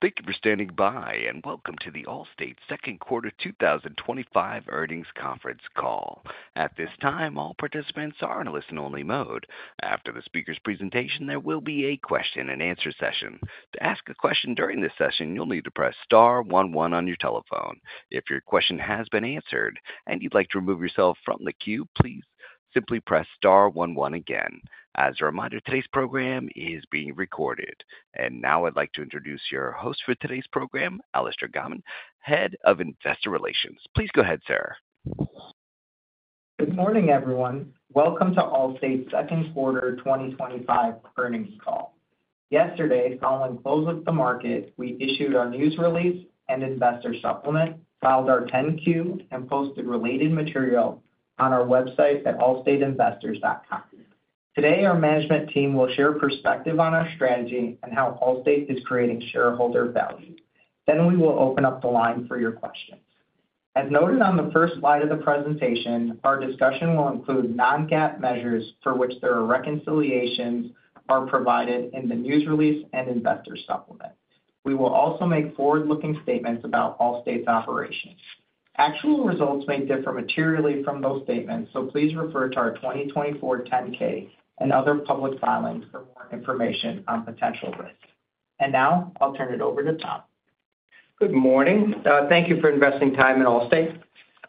Thank you for standing by, and welcome to the Allstate Second Quarter 2025 Earnings Conference Call. At this time, all participants are in a listen-only mode. After the speaker's presentation, there will be a question-and-answer session. To ask a question during this session, you'll need to press Star 1 1 on your telephone. If your question has been answered and you'd like to remove yourself from the queue, please simply press Star 1 1 again. As a reminder, today's program is being recorded. Now I'd like to introduce your host for today's program, Allister Gobin, Head of Investor Relations. Please go ahead, sir. Good morning, everyone. Welcome to Allstate Second Quarter 2025 Earnings Call. Yesterday, following close of the market, we issued our news release and investor supplement, filed our 10-Q, and posted related material on our website at allstateinvestors.com. Today, our management team will share perspective on our strategy and how Allstate is creating shareholder value. We will open up the line for your questions. As noted on the first slide of the presentation, our discussion will include non-GAAP measures for which the reconciliations are provided in the news release and investor supplement. We will also make forward-looking statements about Allstate's operations. Actual results may differ materially from those statements, so please refer to our 2024 10-K and other public filings for more information on potential risks. Now I'll turn it over to Tom. Good morning. Thank you for investing time in Allstate.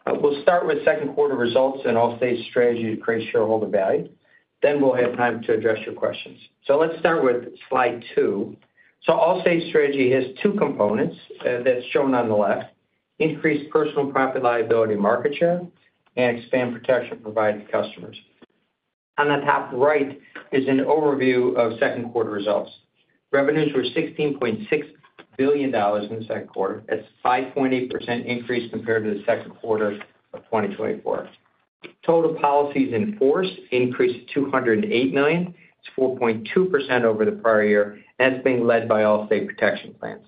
We'll start with second quarter results and Allstate's strategy to create shareholder value. We will have time to address your questions. Let's start with slide two. Allstate's strategy has two components, as shown on the left: increase personal property liability market share and expand protection provided to customers. On the top right is an overview of second quarter results. Revenues were $16.6 billion in the second quarter, a 5.8% increase compared to the second quarter of 2024. Total policies in force increased to 208 million, a 4.2% increase over the prior year, led by Allstate Protection Plans.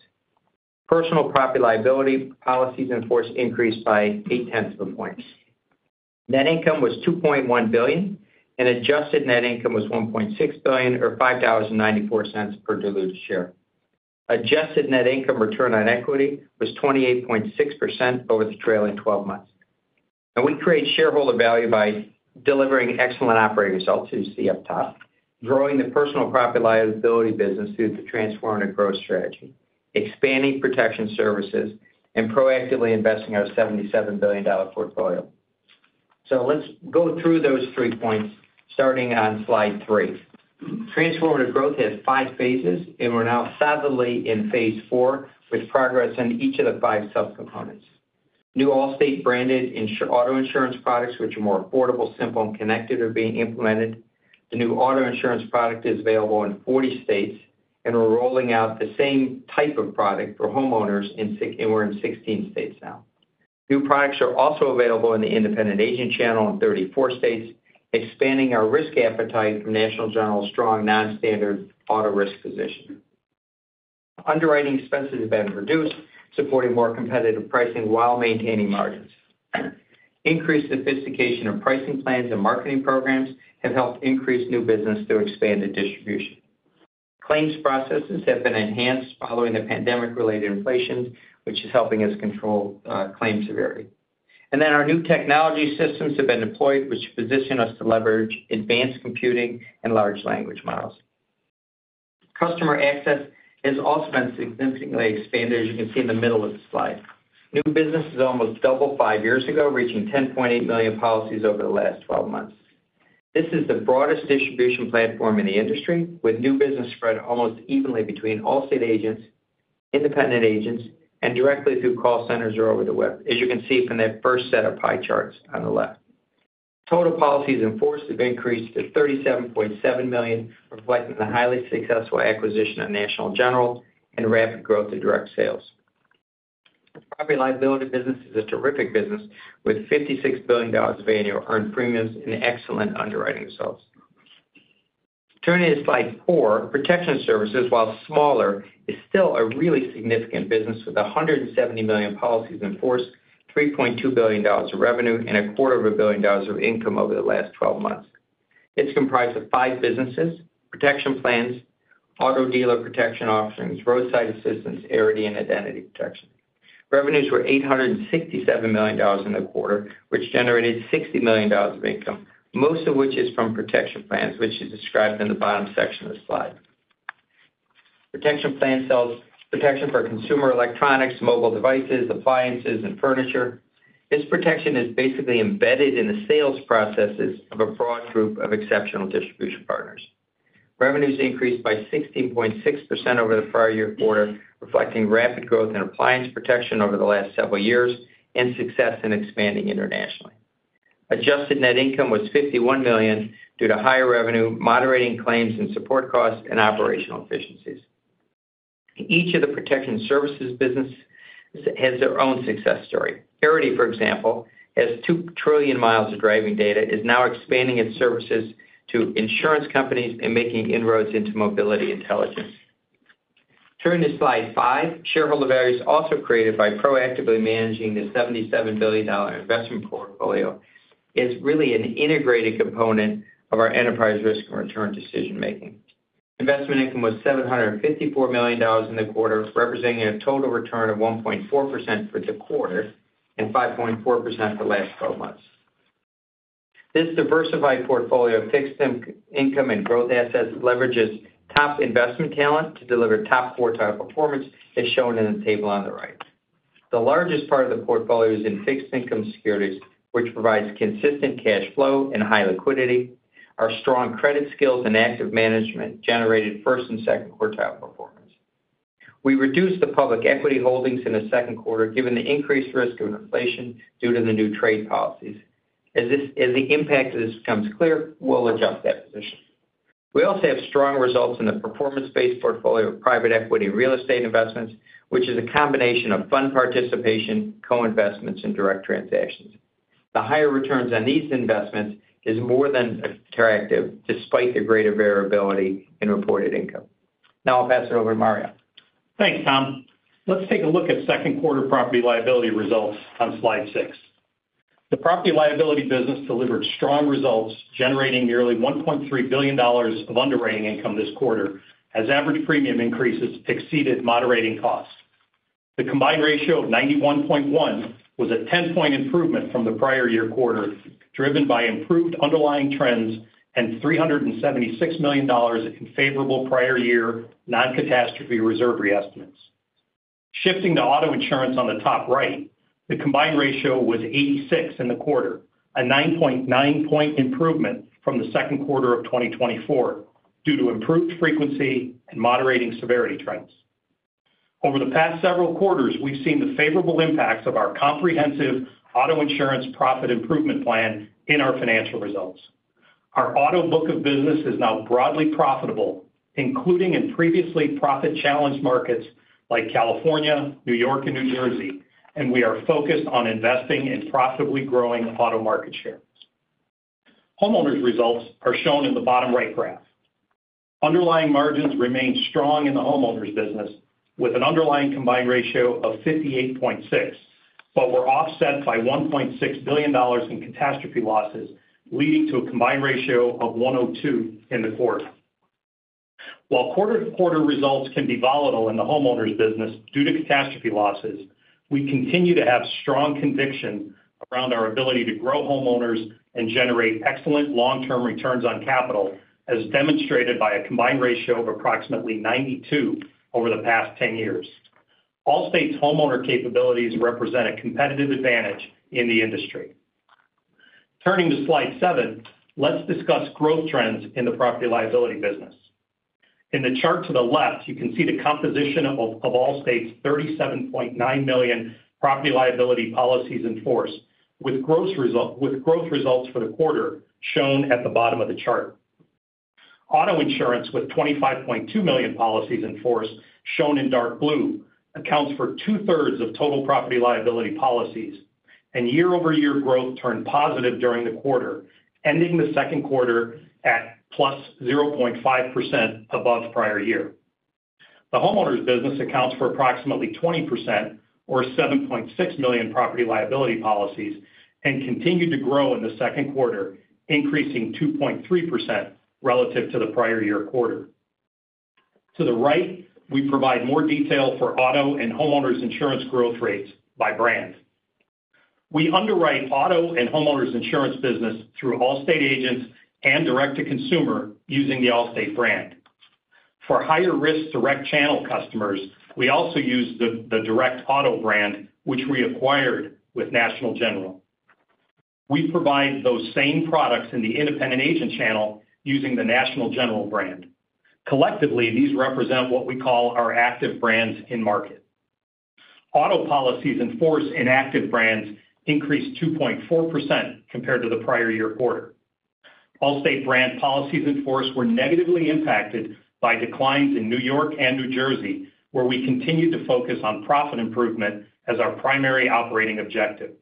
Personal property liability policies in force increased by 0.8%. Net income was $2.1 billion, and adjusted net income was $1.6 billion or $5.94 per diluted share. Adjusted net income return on equity was 28.6% over the trailing 12 months. We create shareholder value by delivering excellent operating results, as you see up top, growing the personal property liability business through the transformative growth strategy, expanding protection services, and proactively investing our $77 billion portfolio. Let's go through those three points starting on slide three. Transformative growth has five phases, and we are now solidly in phase four with progress in each of the five subcomponents. New Allstate-branded auto insurance products, which are more affordable, simple, and connected, are being implemented. The new auto insurance product is available in 40 states, and we are rolling out the same type of product for homeowners, and we are in 16 states now. New products are also available in the independent agent channel in 34 states, expanding our risk appetite from National General’s strong nonstandard auto risk position. Underwriting expenses have been reduced, supporting more competitive pricing while maintaining margins. Increased sophistication of pricing plans and marketing programs have helped increase new business to expand the distribution. Claims processes have been enhanced following the pandemic-related inflation, which is helping us control claim severity. Our new technology systems have been deployed, which position us to leverage advanced computing and large language models. Customer access has also been significantly expanded, as you can see in the middle of the slide. New business is almost double five years ago, reaching 10.8 million policies over the last 12 months. This is the broadest distribution platform in the industry, with new business spread almost evenly between Allstate agents, independent agents, and directly through call centers or over the web, as you can see from that first set of pie charts on the left. Total policies in force have increased to 37.7 million, reflecting the highly successful acquisition of National General and rapid growth in direct sales. Property-Liability business is a terrific business with $56 billion of annual earned premiums and excellent underwriting results. Turning to slide four, protection services, while smaller, is still a really significant business with 170 million policies in force, $3.2 billion of revenue, and a quarter of a billion dollars of income over the last 12 months. It's comprised of five businesses: protection plans, auto dealer protection offerings, roadside assistance, ARD, and identity protection. Revenues were $867 million in the quarter, which generated $60 million of income, most of which is from protection plans, which is described in the bottom section of the slide. Protection plans sell protection for consumer electronics, mobile devices, appliances, and furniture. This protection is basically embedded in the sales processes of a broad group of exceptional distribution partners. Revenues increased by 16.6% over the prior year quarter, reflecting rapid growth in appliance protection over the last several years and success in expanding internationally. Adjusted net income was $51 million due to higher revenue, moderating claims and support costs, and operational efficiencies. Each of the protection services businesses has their own success story. ARD, for example, has $2 trillion of driving data, is now expanding its services to insurance companies and making inroads into mobility intelligence. Turning to slide five, shareholder value is also created by proactively managing the $77 billion investment portfolio, which is really an integrated component of our enterprise risk and return decision-making. Investment income was $754 million in the quarter, representing a total return of 1.4% for the quarter and 5.4% for the last 12 months. This diversified portfolio of fixed income and growth assets leverages top investment talent to deliver top quartile performance, as shown in the table on the right. The largest part of the portfolio is in fixed income securities, which provides consistent cash flow and high liquidity. Our strong credit skills and active management generated first and second quartile performance. We reduced the public equity holdings in the second quarter given the increased risk of inflation due to the new trade policies. As the impact of this becomes clear, we'll adjust that position. We also have strong results in the performance-based portfolio of private equity real estate investments, which is a combination of fund participation, co-investments, and direct transactions. The higher returns on these investments are more than attractive despite the greater variability in reported income. Now I'll pass it over to Mario. Thanks, Tom. Let's take a look at second quarter property-liability results on slide six. The property-liability business delivered strong results, generating nearly $1.3 billion of underwriting income this quarter as average premium increases exceeded moderating costs. The combined ratio of 91.1% was a 10-point improvement from the prior year quarter, driven by improved underlying trends and $376 million in favorable prior year non-catastrophe reserve re-estimates. Shifting to auto insurance on the top right, the combined ratio was 86% in the quarter, a 9.9-point improvement from the second quarter of 2024 due to improved frequency and moderating severity trends. Over the past several quarters, we've seen the favorable impacts of our comprehensive auto insurance profit improvement plan in our financial results. Our auto book of business is now broadly profitable, including in previously profit-challenged markets like California, New York, and New Jersey, and we are focused on investing in profitably growing auto market share. Homeowners' results are shown in the bottom right graph. Underlying margins remain strong in the homeowners' business with an underlying combined ratio of 58.6%, but were offset by $1.6 billion in catastrophe losses, leading to a combined ratio of 102% in the quarter. While quarter-to-quarter results can be volatile in the homeowners' business due to catastrophe losses, we continue to have strong conviction around our ability to grow homeowners and generate excellent long-term returns on capital, as demonstrated by a combined ratio of approximately 92% over the past 10 years. Allstate's homeowner capabilities represent a competitive advantage in the industry. Turning to slide seven, let's discuss growth trends in the property-liability business. In the chart to the left, you can see the composition of Allstate's 37.9 million property-liability policies in force, with growth results for the quarter shown at the bottom of the chart. Auto insurance, with 25.2 million policies in force, shown in dark blue, accounts for two-thirds of total property-liability policies, and year-over-year growth turned positive during the quarter, ending the second quarter at +0.5% above prior year. The homeowners business accounts for approximately 20%, or 7.6 million property-liability policies, and continued to grow in the second quarter, increasing 2.3% relative to the prior year quarter. To the right, we provide more detail for auto and homeowners insurance growth rates by brand. We underwrite auto and homeowners insurance business through Allstate agents and direct-to-consumer using the Allstate brand. For higher-risk direct-channel customers, we also use the Direct Auto brand, which we acquired with National General. We provide those same products in the independent agent channel using the National General brand. Collectively, these represent what we call our active brands in market. Auto policies in force in active brands increased 2.4% compared to the prior year quarter. Allstate brand policies in force were negatively impacted by declines in New York and New Jersey, where we continued to focus on profit improvement as our primary operating objective.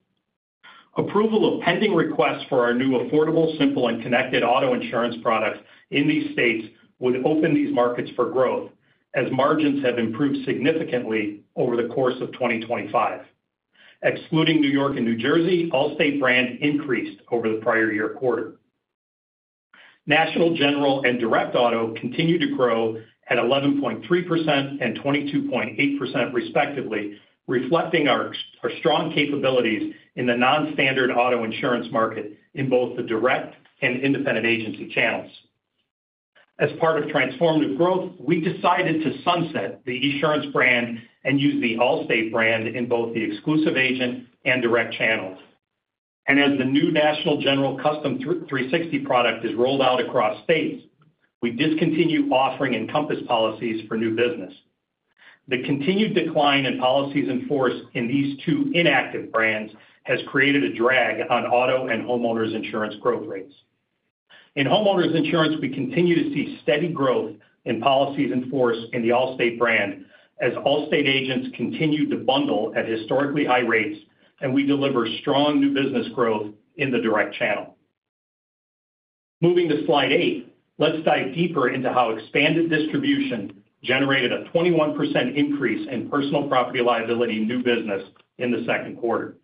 Approval of pending requests for our new affordable, simple, and connected auto insurance products in these states would open these markets for growth, as margins have improved significantly over the course of 2025. Excluding New York and New Jersey, Allstate brand increased over the prior year quarter. National General and Direct Auto continue to grow at 11.3% and 22.8% respectively, reflecting our strong capabilities in the nonstandard auto insurance market in both the direct and independent agency channels. As part of Transformative Growth, we decided to sunset the Encompass brand and use the Allstate brand in both the exclusive agent and direct channels. As the new National General Custom 360 product is rolled out across states, we discontinue offering Encompass policies for new business. The continued decline in policies in force in these two inactive brands has created a drag on auto and homeowners insurance growth rates. In homeowners insurance, we continue to see steady growth in policies in force in the Allstate brand as Allstate agents continue to bundle at historically high rates, and we deliver strong new business growth in the direct channel. Moving to slide eight, let's dive deeper into how expanded distribution generated a 21% increase in personal property-liability new business in the second quarter.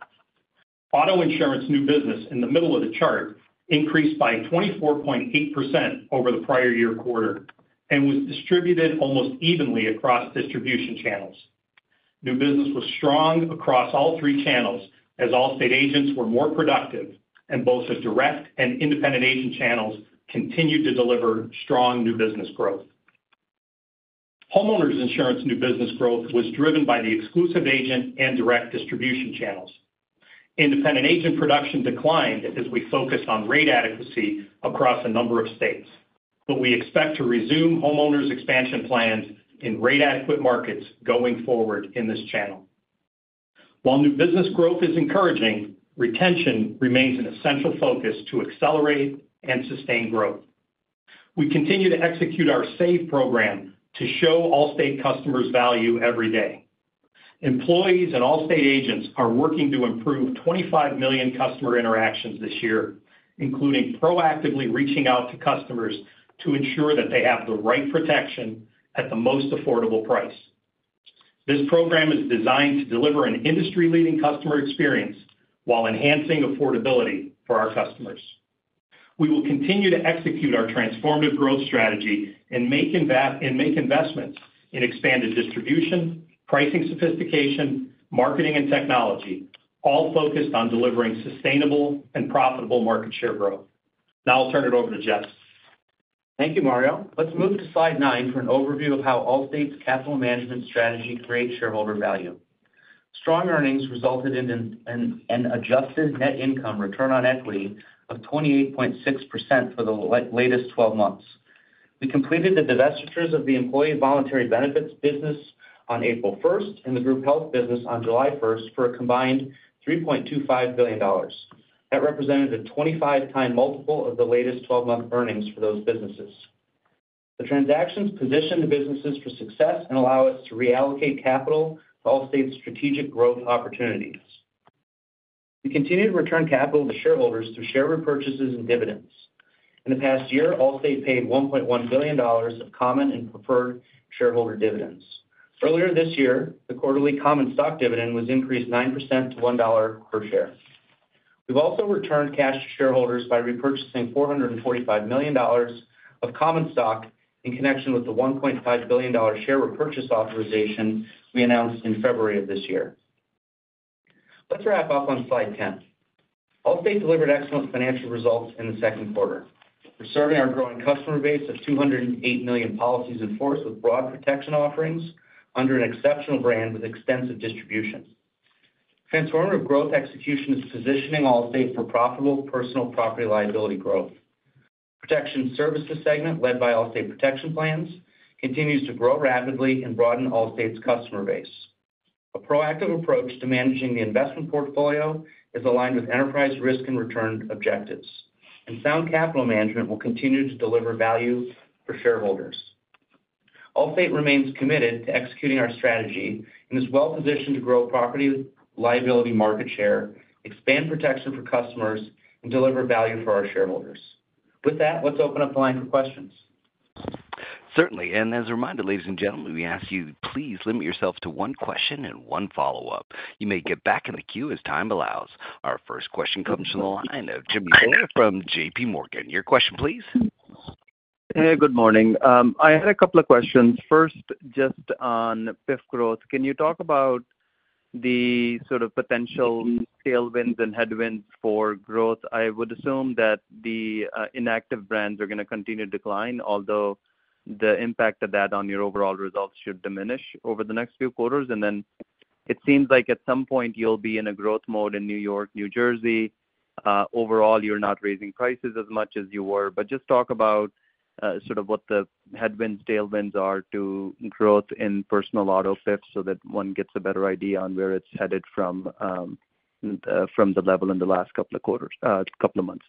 Auto insurance new business in the middle of the chart increased by 24.8% over the prior year quarter and was distributed almost evenly across distribution channels. New business was strong across all three channels as Allstate agents were more productive, and both the direct and independent agent channels continued to deliver strong new business growth. Homeowners insurance new business growth was driven by the exclusive agent and direct distribution channels. Independent agent production declined as we focused on rate adequacy across a number of states, but we expect to resume homeowners expansion plans in rate adequate markets going forward in this channel. While new business growth is encouraging, retention remains an essential focus to accelerate and sustain growth. We continue to execute our SAVE retention program to show Allstate customers value every day. Employees and Allstate agents are working to improve 25 million customer interactions this year, including proactively reaching out to customers to ensure that they have the right protection at the most affordable price. This program is designed to deliver an industry-leading customer experience while enhancing affordability for our customers. We will continue to execute our transformative growth strategy and make investments in expanded distribution, pricing sophistication, marketing, and technology, all focused on delivering sustainable and profitable market share growth. Now I'll turn it over to Jesse. Thank you, Mario. Let's move to slide nine for an overview of how Allstate's capital management strategy creates shareholder value. Strong earnings resulted in an adjusted net income return on equity of 28.6% for the latest 12 months. We completed the divestitures of the employee voluntary benefits business on April 1 and the group health business on July 1 for a combined $3.25 billion. That represented a 25-time multiple of the latest 12-month earnings for those businesses. The transactions positioned the businesses for success and allow us to reallocate capital to Allstate's strategic growth opportunities. We continued to return capital to shareholders through share repurchases and dividends. In the past year, Allstate paid $1.1 billion of common and preferred shareholder dividends. Earlier this year, the quarterly common stock dividend was increased 9% to $1 per share. We've also returned cash to shareholders by repurchasing $445 million of common stock in connection with the $1.5 billion share repurchase authorization we announced in February of this year. Let's wrap up on slide 10. Allstate delivered excellent financial results in the second quarter. We're serving our growing customer base of 208 million policies in force with broad protection offerings under an exceptional brand with extensive distribution. Transformative growth execution is positioning Allstate for profitable personal property liability growth. Protection services segment, led by Allstate Protection Plans, continues to grow rapidly and broaden Allstate's customer base. A proactive approach to managing the investment portfolio is aligned with enterprise risk and return objectives, and sound capital management will continue to deliver value for shareholders. Allstate remains committed to executing our strategy and is well-positioned to grow property liability market share, expand protection for customers, and deliver value for our shareholders. With that, let's open up the line for questions. Certainly. As a reminder, ladies and gentlemen, we ask you, please limit yourself to one question and one follow-up. You may get back in the queue as time allows. Our first question comes from the line of Jimmy Cole from JPMorgan. Your question, please. Hey, good morning. I had a couple of questions. First, just on fifth growth, can you talk about the sort of potential tailwinds and headwinds for growth? I would assume that the inactive brands are going to continue to decline, although the impact of that on your overall results should diminish over the next few quarters. It seems like at some point you'll be in a growth mode in New York, New Jersey.` Overall, you're not raising prices as much as you were. Just talk about sort of what the headwinds, tailwinds are to growth in personal auto fifth so that one gets a better idea on where it's headed from the level in the last couple of quarters, couple of months.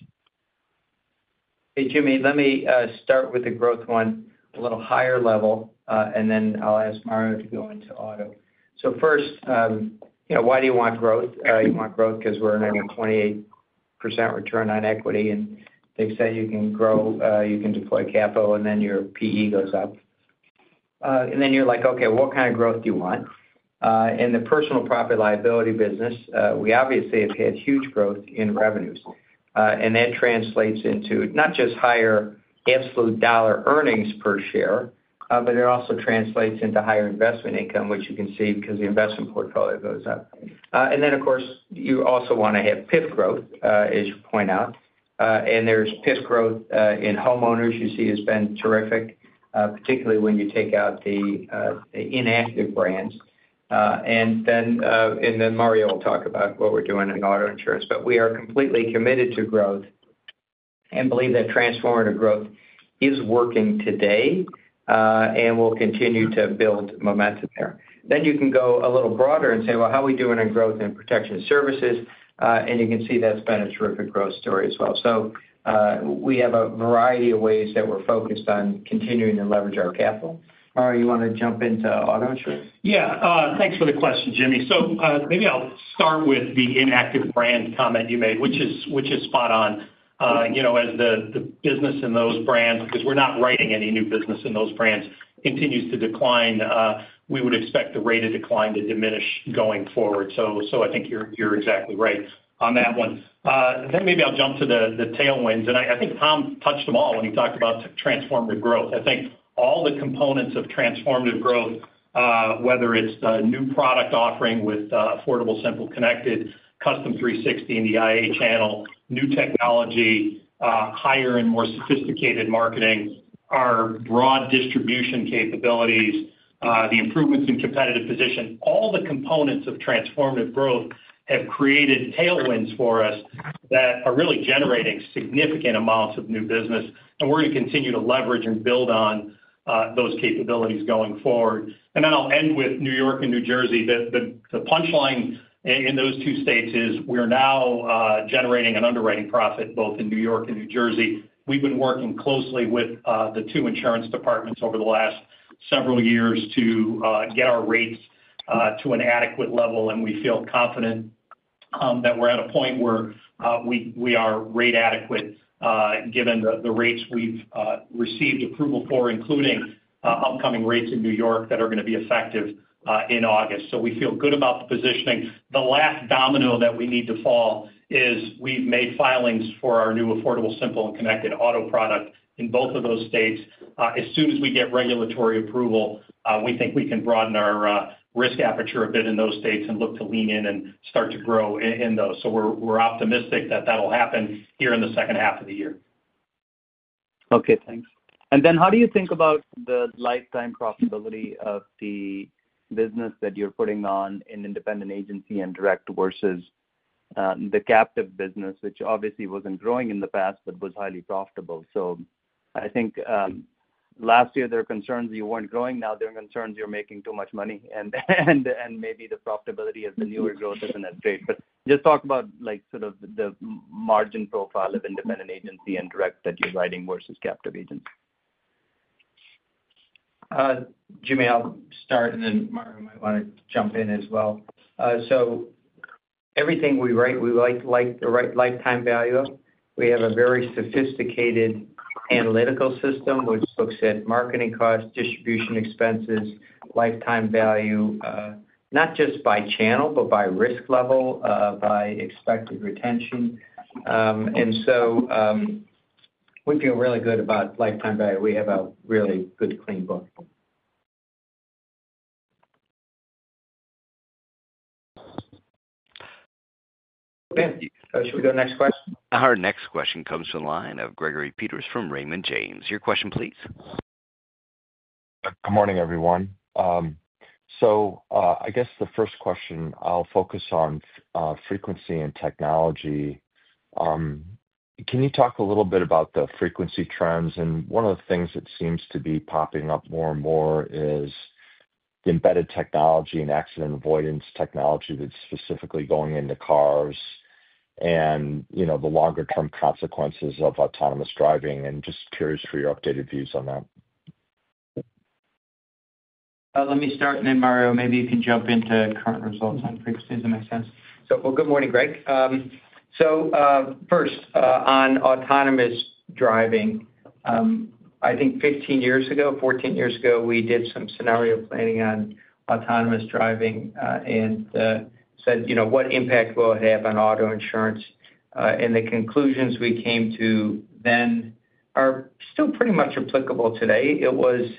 Hey, Jimmy, let me start with the growth one at a little higher level, and then I'll ask Mario to go into auto. First, why do you want growth? You want growth because we're in a 28% return on equity, and they say you can grow, you can deploy capital, and then your PE goes up. You're like, okay, what kind of growth do you want? In the personal property liability business, we obviously have had huge growth in revenues, and that translates into not just higher absolute dollar earnings per share, but it also translates into higher investment income, which you can see because the investment portfolio goes up. Of course, you also want to have fifth growth, as you point out. There's fifth growth in homeowners you see has been terrific, particularly when you take out the inactive brands. Mario will talk about what we're doing in auto insurance, but we are completely committed to growth and believe that transformative growth is working today. We'll continue to build momentum there. You can go a little broader and say, how are we doing in growth and protection services? You can see that's been a terrific growth story as well. We have a variety of ways that we're focused on continuing to leverage our capital. Mario, you want to jump into auto insurance? Yeah. Thanks for the question, Jimmy. Maybe I'll start with the inactive brand comment you made, which is spot on. As the business in those brands, because we're not writing any new business in those brands, continues to decline, we would expect the rate of decline to diminish going forward. I think you're exactly right on that one. I'll jump to the tailwinds. I think Tom touched them all when he talked about transformative growth. I think all the components of transformative growth, whether it's the new product offering with affordable, simple, connected, custom 360 in the IA channel, new technology, higher and more sophisticated marketing, our broad distribution capabilities, the improvements in competitive position, all the components of transformative growth have created tailwinds for us that are really generating significant amounts of new business. We're going to continue to leverage and build on those capabilities going forward. I'll end with New York and New Jersey. The punchline in those two states is we're now generating an underwriting profit both in New York and New Jersey. We've been working closely with the two insurance departments over the last several years to get our rates to an adequate level, and we feel confident that we're at a point where we are rate adequate given the rates we've received approval for, including upcoming rates in New York that are going to be effective in August. We feel good about the positioning. The last domino that we need to fall is we've made filings for our new affordable, simple, and connected auto product in both of those states. As soon as we get regulatory approval, we think we can broaden our risk aperture a bit in those states and look to lean in and start to grow in those. We're optimistic that'll happen here in the second half of the year. Okay, thanks. How do you think about the lifetime profitability of the business that you're putting on in independent agency and direct versus the captive business, which obviously wasn't growing in the past but was highly profitable? I think last year there were concerns you weren't growing. Now there are concerns you're making too much money, and maybe the profitability of the newer growth isn't as great. Just talk about sort of the margin profile of independent agency and direct that you're writing versus captive agency. Jimmy, I'll start, and then Mario might want to jump in as well. Everything we write, we write lifetime value. We have a very sophisticated analytical system which looks at marketing costs, distribution expenses, lifetime value, not just by channel, but by risk level, by expected retention. We feel really good about lifetime value. We have a really good, clean book. Thank you. Should we go to the next question? Our next question comes from the line of Gregory Peters from Raymond James & Associates. Your question, please. Good morning, everyone. I guess the first question I'll focus on is frequency and technology. Can you talk a little bit about the frequency trends? One of the things that seems to be popping up more and more is the embedded technology and accident avoidance technology that's specifically going into cars. The longer-term consequences of autonomous driving are also of interest. I'm just curious for your updated views on that. Let me start, and then Mario, maybe you can jump into current results on frequencies. That makes sense. Good morning, Greg. First, on autonomous driving. I think 15 years ago, 14 years ago, we did some scenario planning on autonomous driving and said, "What impact will it have on auto insurance?" The conclusions we came to then are still pretty much applicable today. It was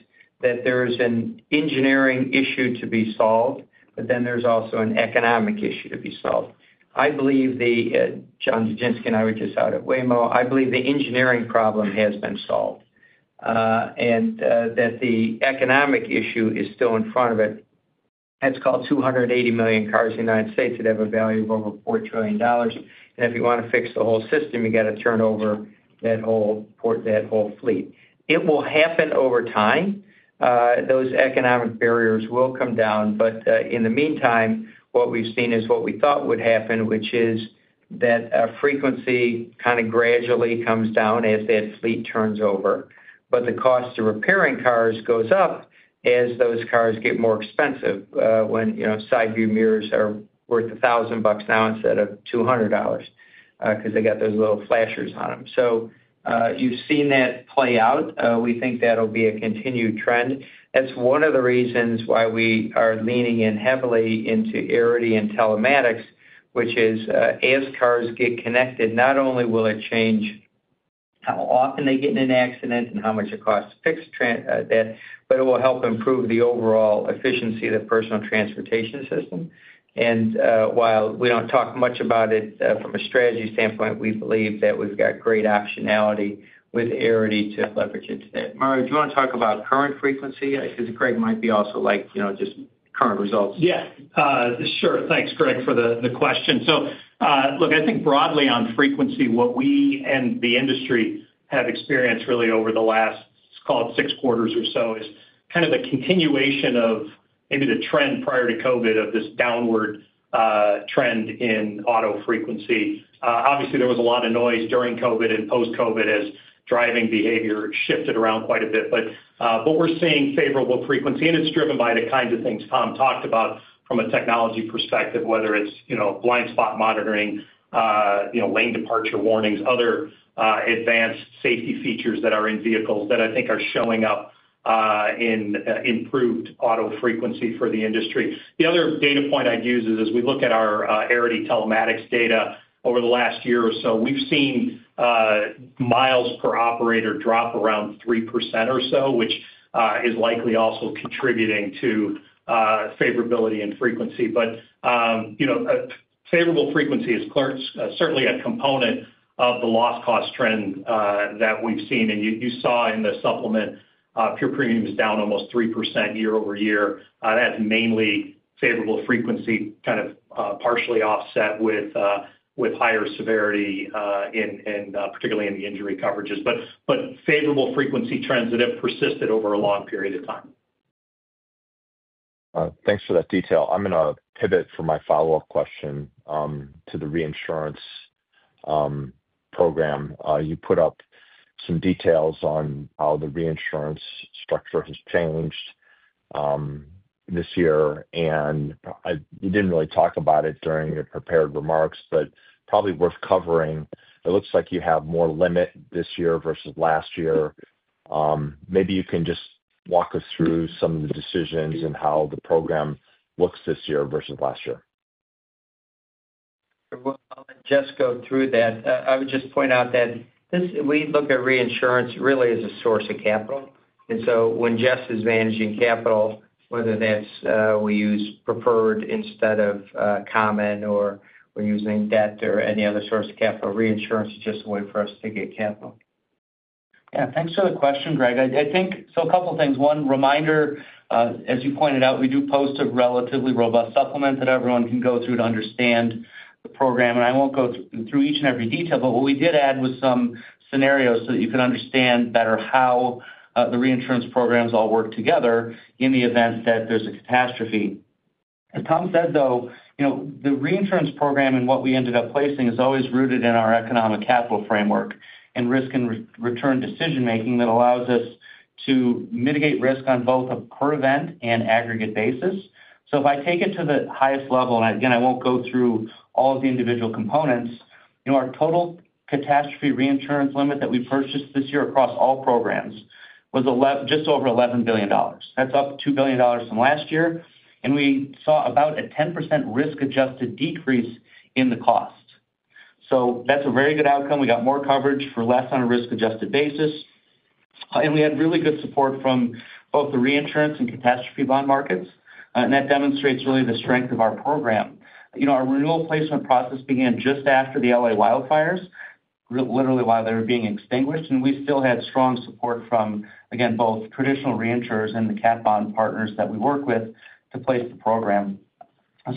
that there's an engineering issue to be solved, but then there's also an economic issue to be solved. I believe that John Dugenske and I were just out at Waymo. I believe the engineering problem has been solved, and that the economic issue is still in front of it. It's called 280 million cars in the U.S. It has a value of over $4 trillion. If you want to fix the whole system, you got to turn over that whole fleet. It will happen over time. Those economic barriers will come down. In the meantime, what we've seen is what we thought would happen, which is that frequency kind of gradually comes down as that fleet turns over. The cost of repairing cars goes up as those cars get more expensive when side view mirrors are worth $1,000 now instead of $200 because they got those little flashers on them. You've seen that play out. We think that'll be a continued trend. That's one of the reasons why we are leaning in heavily into ARRI and telematics, which is as cars get connected, not only will it change how often they get in an accident and how much it costs to fix that, but it will help improve the overall efficiency of the personal transportation system. While we don't talk much about it from a strategy standpoint, we believe that we've got great optionality with ARRI to leverage it today. Mario, do you want to talk about current frequency? I think Greg might be also like just current results. Yeah. Sure. Thanks, Greg, for the question. I think broadly on frequency, what we and the industry have experienced really over the last, let's call it six quarters or so, is kind of the continuation of maybe the trend prior to COVID of this downward trend in auto frequency. Obviously, there was a lot of noise during COVID and post-COVID as driving behavior shifted around quite a bit. We're seeing favorable frequency, and it's driven by the kinds of things Tom talked about from a technology perspective, whether it's blind spot monitoring, lane departure warnings, other advanced safety features that are in vehicles that I think are showing up in improved auto frequency for the industry. The other data point I'd use is as we look at our ARRI telematics data over the last year or so, we've seen miles per operator drop around 3% or so, which is likely also contributing to favorability in frequency. Favorable frequency is certainly a component of the loss cost trend that we've seen. You saw in the supplement, pure premium is down almost 3% year over year. That's mainly favorable frequency, kind of partially offset with higher severity, and particularly in the injury coverages. Favorable frequency trends have persisted over a long period of time. Thanks for that detail. I'm going to pivot for my follow-up question to the reinsurance program. You put up some details on how the reinsurance structure has changed this year, and you didn't really talk about it during your prepared remarks, but probably worth covering. It looks like you have more limit this year versus last year. Maybe you can just walk us through some of the decisions and how the program looks this year versus last year. I'll let Jess go through that. I would just point out that we look at reinsurance really as a source of capital. When Jess is managing capital, whether that's we use preferred instead of common or we're using debt or any other source of capital, reinsurance is just a way for us to get capital. Yeah. Thanks for the question, Greg. I think a couple of things. One reminder, as you pointed out, we do post a relatively robust supplement that everyone can go through to understand the program. I won't go through each and every detail, but what we did add was some scenarios so that you can understand better how the reinsurance programs all work together in the event that there's a catastrophe. As Tom said, though, the reinsurance program and what we ended up placing is always rooted in our economic capital framework and risk and return decision-making that allows us to mitigate risk on both a per event and aggregate basis. If I take it to the highest level, and again, I won't go through all of the individual components, our total catastrophe reinsurance limit that we purchased this year across all programs was just over $11 billion. That's up $2 billion from last year. We saw about a 10% risk-adjusted decrease in the cost. That's a very good outcome. We got more coverage for less on a risk-adjusted basis. We had really good support from both the reinsurance and catastrophe bond markets. That demonstrates really the strength of our program. Our renewal placement process began just after the LA wildfires, literally while they were being extinguished. We still had strong support from, again, both traditional reinsurers and the cap bond partners that we work with to place the program.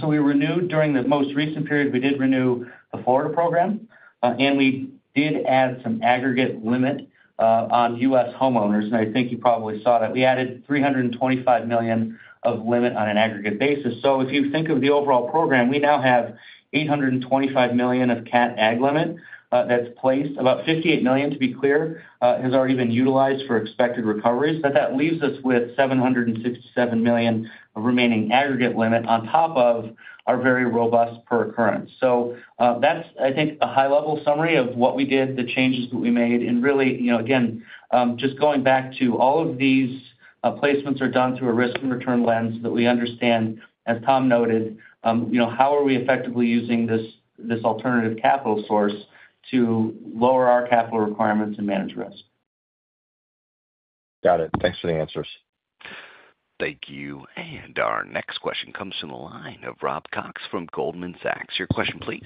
We renewed during the most recent period. We did renew the Florida program. We did add some aggregate limit on U.S. homeowners. I think you probably saw that. We added $325 million of limit on an aggregate basis. If you think of the overall program, we now have $825 million of cap ag limit that's placed. About $58 million, to be clear, has already been utilized for expected recoveries. That leaves us with $767 million of remaining aggregate limit on top of our very robust per occurrence. That's, I think, a high-level summary of what we did, the changes that we made. Really, again, just going back to all of these placements are done through a risk and return lens that we understand, as Tom noted, how are we effectively using this alternative capital source to lower our capital requirements and manage risk. Got it. Thanks for the answers. Thank you. Our next question comes from the line of Rob Cox from Goldman Sachs. Your question, please.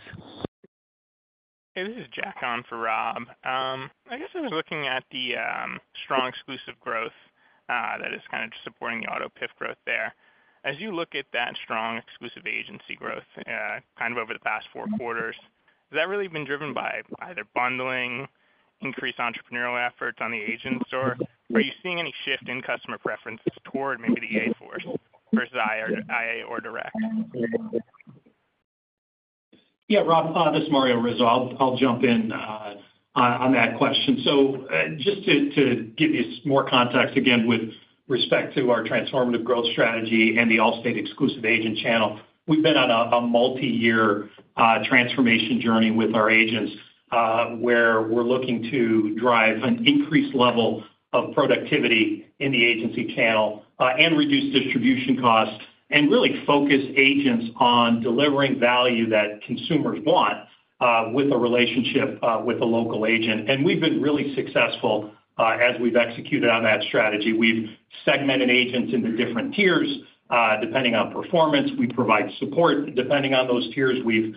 Hey, this is Jack on for Rob. I guess I was looking at the strong exclusive growth that is kind of supporting the auto PIF growth there. As you look at that strong exclusive agency growth kind of over the past four quarters, has that really been driven by either bundling, increased entrepreneurial efforts on the agents, or are you seeing any shift in customer preferences toward maybe the exclusive agents versus independent agents or direct? Yeah, Rob, this is Mario Rizzo. I'll jump in on that question. Just to give you more context again with respect to our transformative growth strategy and the Allstate exclusive agent channel, we've been on a multi-year transformation journey with our agents where we're looking to drive an increased level of productivity in the agency channel and reduce distribution costs and really focus agents on delivering value that consumers want with a relationship with a local agent. We've been really successful as we've executed on that strategy. We've segmented agents into different tiers depending on performance. We provide support depending on those tiers. We've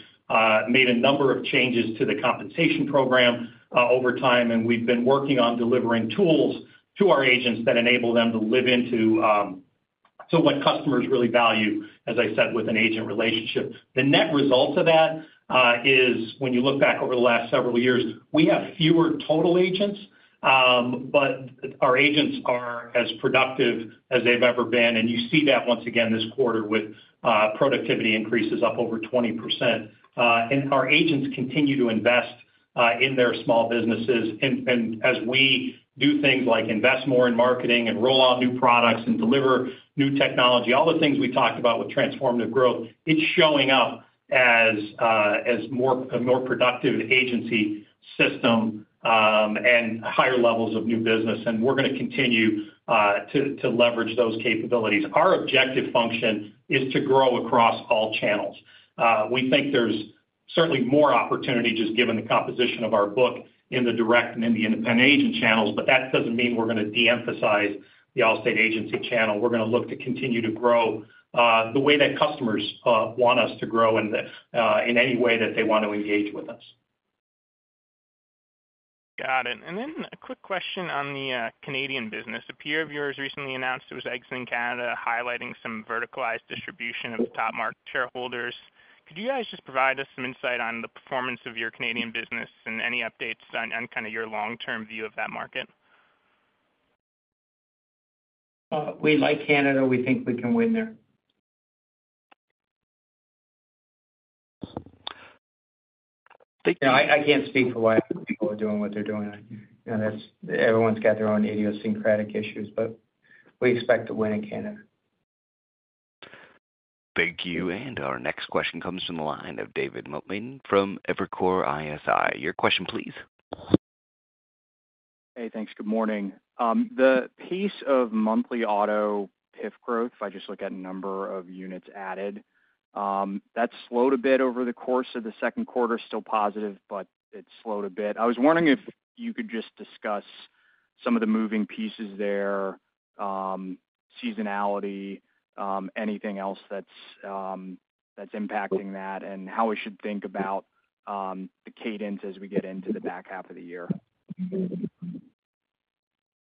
made a number of changes to the compensation program over time, and we've been working on delivering tools to our agents that enable them to live into what customers really value, as I said, with an agent relationship. The net result of that is when you look back over the last several years, we have fewer total agents, but our agents are as productive as they've ever been. You see that once again this quarter with productivity increases up over 20%. Our agents continue to invest in their small businesses. As we do things like invest more in marketing and roll out new products and deliver new technology, all the things we talked about with transformative growth, it's showing up as a more productive agency system and higher levels of new business. We're going to continue to leverage those capabilities. Our objective function is to grow across all channels. We think there's certainly more opportunity just given the composition of our book in the direct and in the independent agent channels, but that doesn't mean we're going to de-emphasize the Allstate agency channel. We're going to look to continue to grow the way that customers want us to grow and in any way that they want to engage with us. Got it. A quick question on the Canadian business. A peer of yours recently announced it was exiting Canada, highlighting some verticalized distribution of the top market shareholders. Could you guys just provide us some insight on the performance of your Canadian business and any updates on kind of your long-term view of that market? We like Canada. We think we can win there. I can't speak for why other people are doing what they're doing. Everyone's got their own idiosyncratic issues, but we expect to win in Canada. Thank you. Our next question comes from the line of David Motemaden from Evercore ISI. Your question, please. Hey, thanks. Good morning. The piece of monthly auto PIF growth, if I just look at a number of units added, that's slowed a bit over the course of the second quarter. Still positive, but it's slowed a bit. I was wondering if you could just discuss some of the moving pieces there, seasonality, anything else that's impacting that, and how we should think about the cadence as we get into the back half of the year.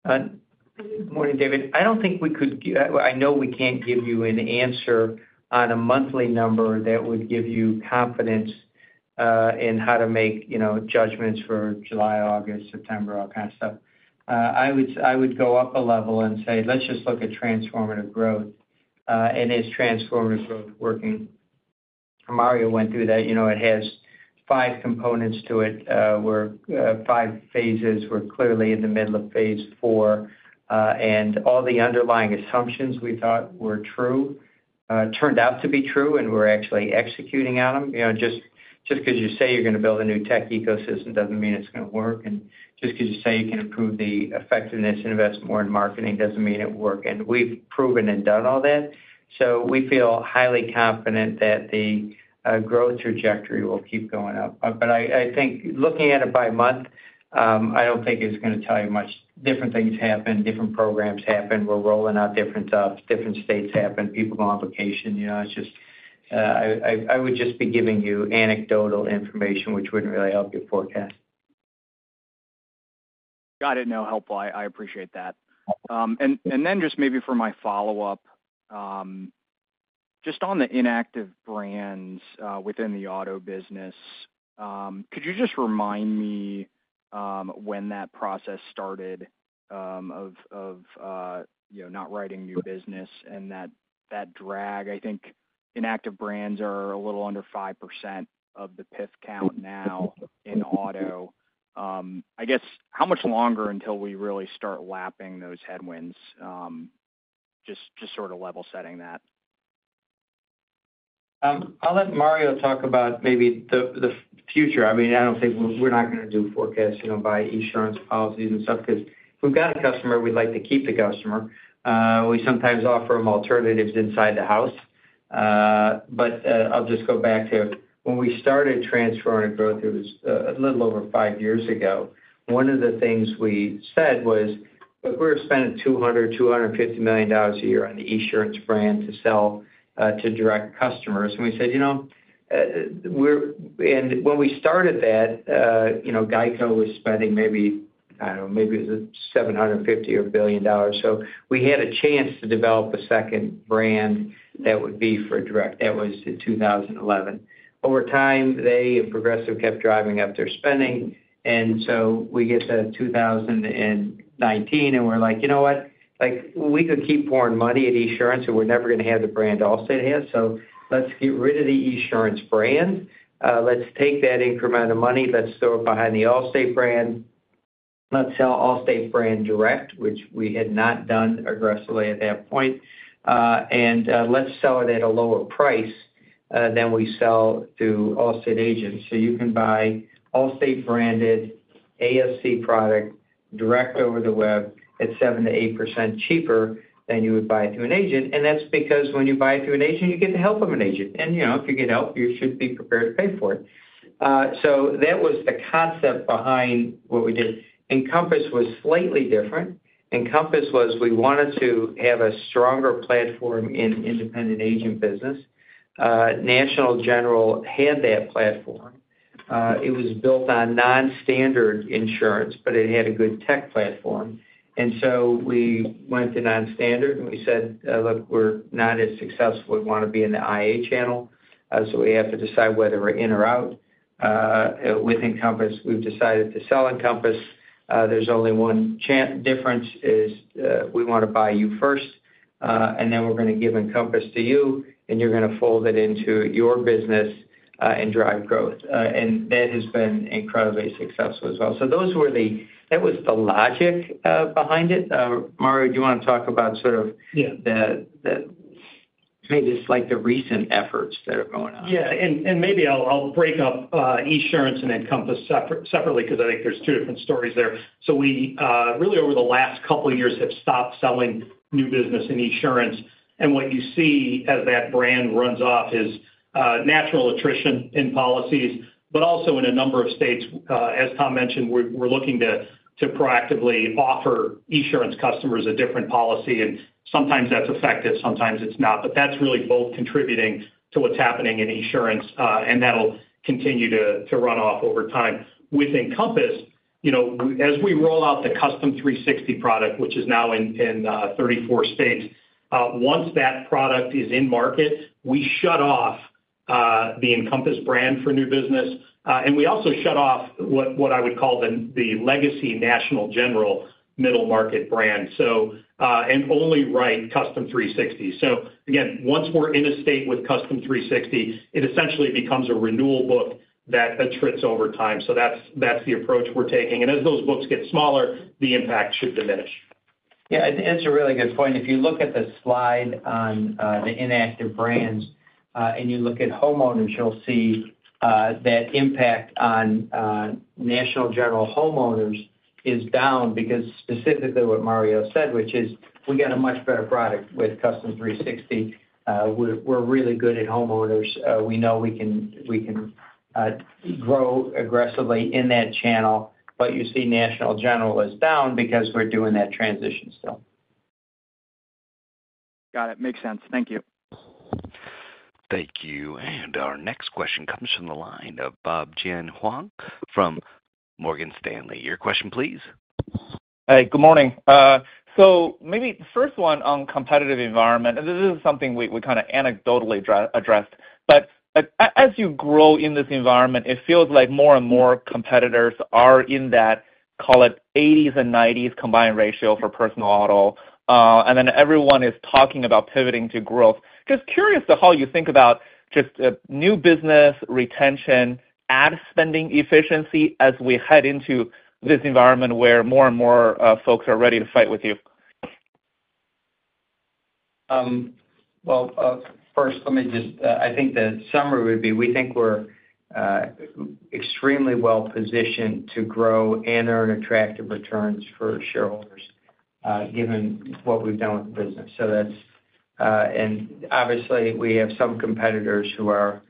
Good morning, David. I don't think we can give you an answer on a monthly number that would give you confidence in how to make judgments for July, August, September, all kinds of stuff. I would go up a level and say, let's just look at transformative growth. Is transformative growth working? Mario went through that. It has five components to it, five phases. We're clearly in the middle of phase four, and all the underlying assumptions we thought were true turned out to be true, and we're actually executing on them. Just because you say you're going to build a new tech ecosystem doesn't mean it's going to work, and just because you say you can improve the effectiveness and invest more in marketing doesn't mean it will work. We've proven and done all that. We feel highly confident that the growth trajectory will keep going up. I think looking at it by month, I don't think it's going to tell you much. Different things happen, different programs happen, we're rolling out different stuff, different states happen, people go on vacation. I would just be giving you anecdotal information, which wouldn't really help your forecast. Got it. No, helpful. I appreciate that. Just maybe for my follow-up, just on the inactive brands within the auto business, could you just remind me when that process started of not writing new business and that drag? I think inactive brands are a little under 5% of the PIF count now in auto. I guess how much longer until we really start lapping those headwinds, just sort of level-setting that. I'll let Mario talk about maybe the future. I mean, I don't think we're not going to do forecasts by insurance policies and stuff because if we've got a customer, we'd like to keep the customer. We sometimes offer them alternatives inside the house. I'll just go back to when we started TransferRunner Growth, it was a little over five years ago. One of the things we said was, "Look, we're spending $200 million, $250 million a year on the insurance brand to sell to direct customers." We said when we started that Geico was spending maybe, I don't know, maybe it was $750 million or $1 billion. We had a chance to develop a second brand that would be for direct, that was in 2011. Over time, they and Progressive kept driving up their spending. We get to 2019, and we're like, "You know what? We can keep pouring money at insurance, and we're never going to have the brand Allstate has. Let's get rid of the insurance brand. Let's take that increment of money. Let's throw it behind the Allstate brand. Let's sell Allstate brand direct," which we had not done aggressively at that point. Let's sell it at a lower price than we sell through Allstate agents. You can buy Allstate-branded ASC product direct over the web at 7% to 8% cheaper than you would buy through an agent. That's because when you buy it through an agent, you get the help of an agent. If you get help, you should be prepared to pay for it. That was the concept behind what we did. Encompass was slightly different. Encompass was we wanted to have a stronger platform in independent agent business. National General had that platform. It was built on nonstandard insurance, but it had a good tech platform. We went to nonstandard and we said, "Look, we're not as successful. We want to be in the IA channel." We have to decide whether we're in or out. With Encompass, we've decided to sell Encompass. There's only one difference is we want to buy you first. Then we're going to give Encompass to you, and you're going to fold it into your business and drive growth. That has been incredibly successful as well. That was the logic behind it. Mario, do you want to talk about sort of the, maybe just like the recent efforts that are going on? Yeah. Maybe I'll break up insurance and Encompass separately because I think there's two different stories there. We really, over the last couple of years, have stopped selling new business in insurance. What you see as that brand runs off is natural attrition in policies, but also in a number of states. As Tom mentioned, we're looking to proactively offer insurance customers a different policy. Sometimes that's effective, sometimes it's not. That's really both contributing to what's happening in insurance, and that'll continue to run off over time. With Encompass, as we roll out the Custom 360 product, which is now in 34 states, once that product is in market, we shut off the Encompass brand for new business. We also shut off what I would call the legacy National General middle-market brand and only write Custom 360. Once we're in a state with Custom 360, it essentially becomes a renewal book that attrits over time. That's the approach we're taking, and as those books get smaller, the impact should diminish. Yeah. That's a really good point. If you look at the slide on the inactive brands and you look at homeowners, you'll see that impact on. National General homeowners is down because specifically what Mario said, which is we got a much better product with Custom 360. We're really good at homeowners. We know we can grow aggressively in that channel, but you see National General is down because we're doing that transition still. Got it. Makes sense. Thank you. Thank you. Our next question comes from the line of Jian Huang from Morgan Stanley. Your question, please. Good morning. Maybe the first one on competitive environment, and this is something we kind of anecdotally addressed. As you grow in this environment, it feels like more and more competitors are in that, call it, 80s and 90s combined ratio for personal auto. Everyone is talking about pivoting to growth. Just curious how you think about just new business retention, ad spending efficiency as we head into this environment where more and more folks are ready to fight with you. I think the summary would be we think we're extremely well positioned to grow and earn attractive returns for shareholders given what we've done with the business. Obviously, we have some competitors who are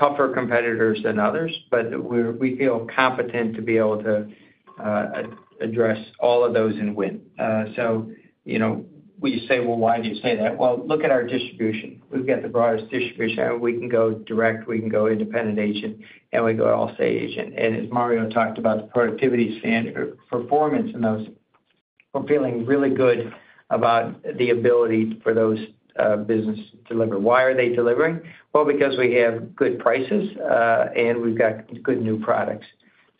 tougher competitors than others, but we feel competent to be able to address all of those and win. We say, "Why do you say that?" Look at our distribution. We've got the broadest distribution. We can go direct, we can go independent agent, and we go Allstate agent. As Mario talked about the productivity standard, performance in those, we're feeling really good about the ability for those businesses to deliver. Why are they delivering? Because we have good prices and we've got good new products.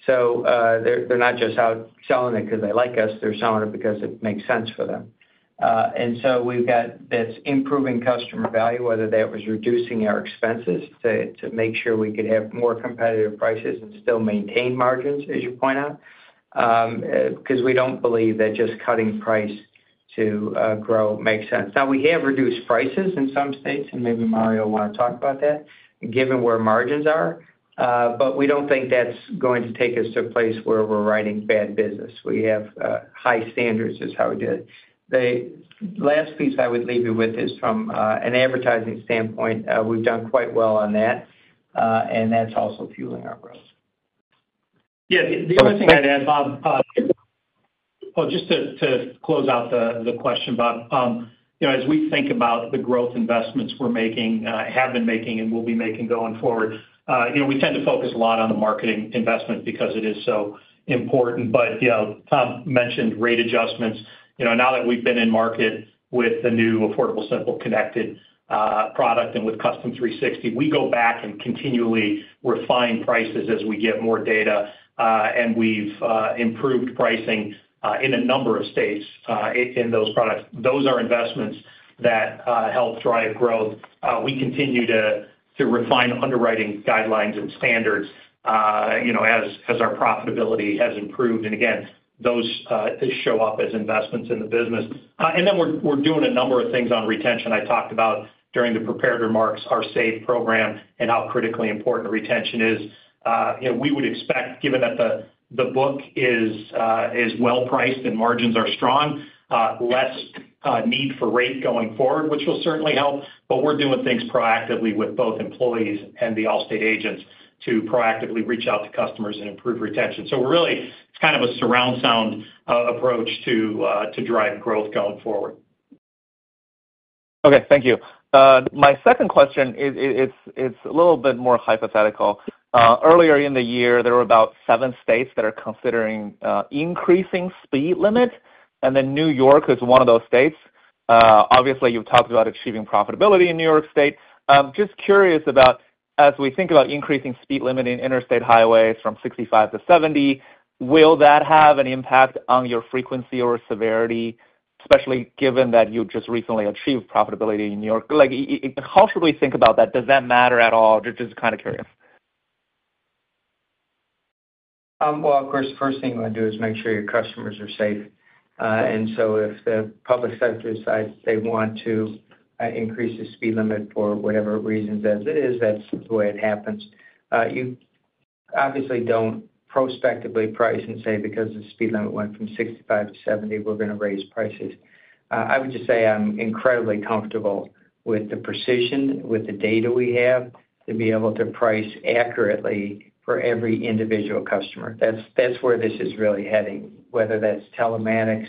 They're not just out selling it because they like us. They're selling it because it makes sense for them. We've got that's improving customer value, whether that was reducing our expenses to make sure we could have more competitive prices and still maintain margins, as you point out. We don't believe that just cutting price to grow makes sense. We have reduced prices in some states, and maybe Mario will want to talk about that, given where margins are. We don't think that's going to take us to a place where we're writing bad business. We have high standards, is how we did it. The last piece I would leave you with is from an advertising standpoint. We've done quite well on that. That's also fueling our growth. Yeah. The only thing I'd add, Bob. Just to close out the question, Bob. As we think about the growth investments we're making, have been making, and will be making going forward, we tend to focus a lot on the marketing investment because it is so important. Tom mentioned rate adjustments. Now that we've been in market with the new Affordable Simple Connected product and with Custom 360, we go back and continually refine prices as we get more data. We've improved pricing in a number of states in those products. Those are investments that help drive growth. We continue to refine underwriting guidelines and standards as our profitability has improved. Again, those show up as investments in the business. We're doing a number of things on retention. I talked about during the prepared remarks, our SAVE retention program, and how critically important retention is. We would expect, given that the book is well priced and margins are strong, less need for rate going forward, which will certainly help. We're doing things proactively with both employees and the Allstate agents to proactively reach out to customers and improve retention. We're really, it's kind of a surround sound approach to drive growth going forward. Okay. Thank you. My second question, it's a little bit more hypothetical. Earlier in the year, there were about seven states that are considering increasing speed limit. New York is one of those states. Obviously, you've talked about achieving profitability in New York State. Just curious about, as we think about increasing speed limit in interstate highways from 65 to 70, will that have an impact on your frequency or severity, especially given that you just recently achieved profitability in New York? How should we think about that? Does that matter at all? Just kind of curious. The first thing you want to do is make sure your customers are safe. If the public sector decides they want to increase the speed limit for whatever reasons as it is, that's the way it happens. You obviously don't prospectively price and say, "Because the speed limit went from 65 to 70, we're going to raise prices." I'm incredibly comfortable with the precision, with the data we have to be able to price accurately for every individual customer. That's where this is really heading. Whether that's telematics,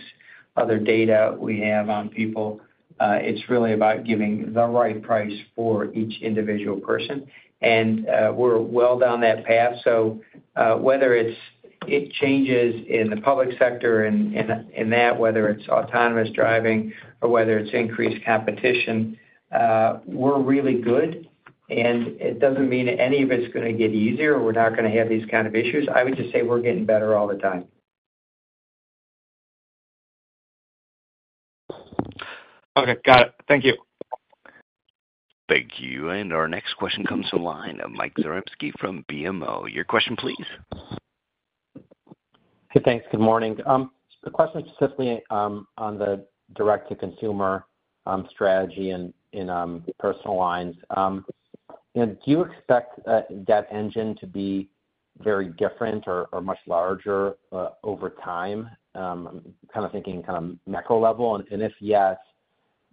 other data we have on people, it's really about giving the right price for each individual person. We're well down that path. Whether it changes in the public sector and that, whether it's autonomous driving or whether it's increased competition, we're really good. It doesn't mean any of it's going to get easier or we're not going to have these kinds of issues. I would just say we're getting better all the time. Okay. Got it. Thank you. Thank you. Our next question comes from Mike Zaremski from BMO Capital Markets. Your question, please. Hey, thanks. Good morning. The question is specifically on the direct-to-consumer strategy in personal lines. Do you expect that engine to be very different or much larger over time? I'm kind of thinking kind of macro level. If yes,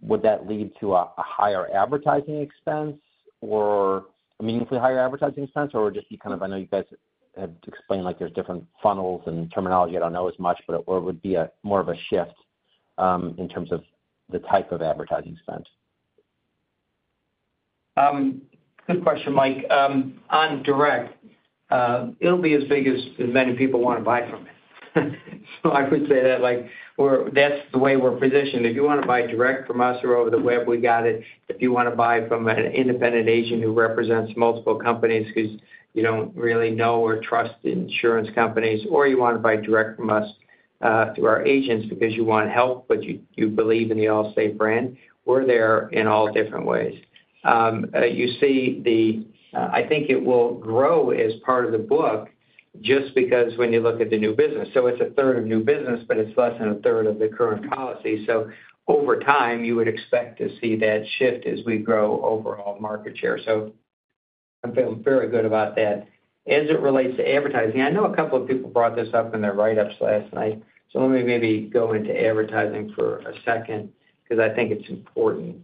would that lead to a higher advertising expense or a meaningfully higher advertising expense? I know you guys have explained there's different funnels and terminology. I don't know as much, but it would be more of a shift in terms of the type of advertising spend. Good question, Mike. On direct, it will be as big as many people want to buy from it. I would say that is the way we're positioned. If you want to buy direct from us or over the web, we got it. If you want to buy from an independent agent who represents multiple companies because you don't really know or trust insurance companies, or you want to buy direct from us through our agents because you want help, but you believe in the Allstate brand, we're there in all different ways. I think it will grow as part of the book just because when you look at the new business, it's a third of new business, but it's less than a third of the current policy. Over time, you would expect to see that shift as we grow overall market share. I'm feeling very good about that. As it relates to advertising, I know a couple of people brought this up in their write-ups last night. Let me maybe go into advertising for a second because I think it's important.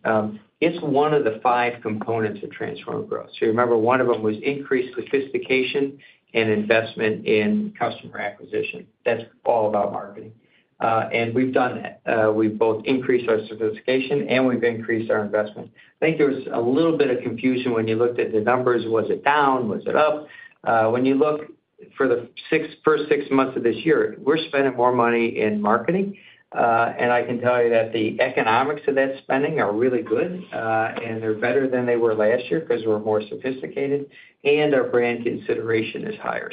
It's one of the five components of transform growth. You remember one of them was increased sophistication and investment in customer acquisition. That's all about marketing, and we've done that. We've both increased our sophistication and we've increased our investment. I think there was a little bit of confusion when you looked at the numbers. Was it down? Was it up? When you look for the first six months of this year, we're spending more money in marketing, and I can tell you that the economics of that spending are really good. They're better than they were last year because we're more sophisticated, and our brand consideration is higher.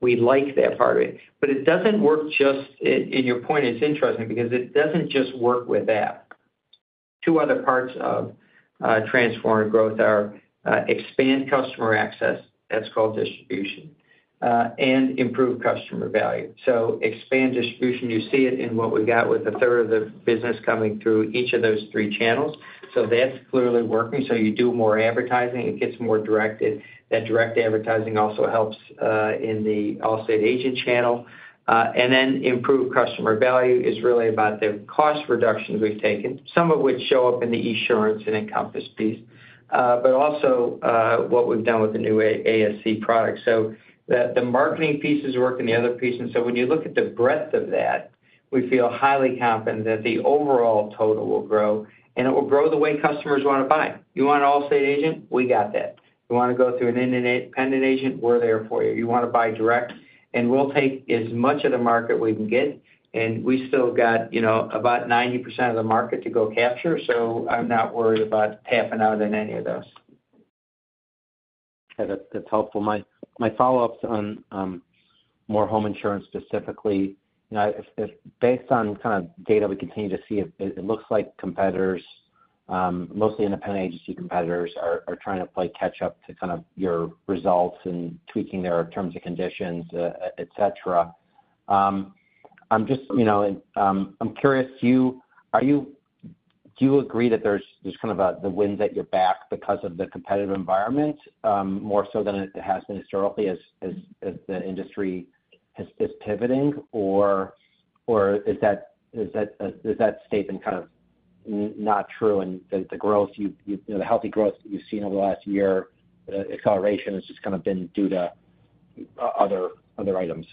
We like that part of it. It doesn't just work with that. Two other parts of transform growth are expand customer access, that's called distribution, and improve customer value. Expand distribution, you see it in what we got with a third of the business coming through each of those three channels. That's clearly working. You do more advertising, it gets more directed. That direct advertising also helps in the Allstate agent channel. Improve customer value is really about the cost reductions we've taken, some of which show up in the insurance and Encompass piece, but also what we've done with the new ASC product. The marketing pieces work in the other pieces. When you look at the breadth of that, we feel highly confident that the overall total will grow. It will grow the way customers want to buy. You want an Allstate agent? We got that. You want to go through an independent agent? We're there for you. You want to buy direct? We'll take as much of the market we can get. We still got about 90% of the market to go capture. I'm not worried about tapping out in any of those. Yeah, that's helpful. My follow-up is on more home insurance specifically. Based on kind of data we continue to see, it looks like competitors, mostly independent agency competitors, are trying to play catch-up to kind of your results and tweaking their terms and conditions, etc. I'm just curious. Do you agree that there's kind of the winds at your back because of the competitive environment, more so than it has been historically as the industry is pivoting? Is that statement kind of not true? The growth, the healthy growth that you've seen over the last year, the acceleration has just kind of been due to other items.